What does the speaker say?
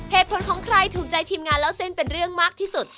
เหตุผลของใครถูกใจทีมงานเล่าเส้นเป็นเรื่องมากที่สุด